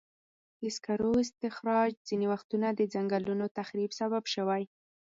د سکرو استخراج ځینې وختونه د ځنګلونو تخریب سبب شوی.